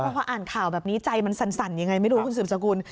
พออ่านข่าวแบบนี้ใจมันสั่นยังไงไม่รู้คุณสืบสกุล